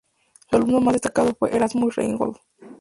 Su alumno más destacado fue Erasmus Reinhold.